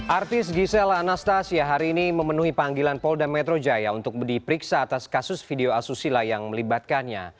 artis gisela anastasia hari ini memenuhi panggilan polda metro jaya untuk diperiksa atas kasus video asusila yang melibatkannya